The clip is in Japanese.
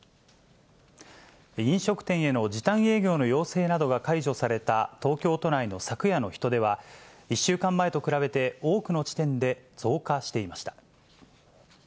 飲食店への時短営業の要請などが解除された東京都内の昨夜の人出は、１週間前と比べて多くの地点で増加していました。